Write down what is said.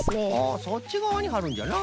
あそっちがわにはるんじゃな。